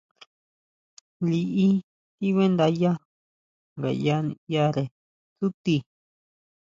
Liʼí tíbándayá ngayá niʼyare tsútii.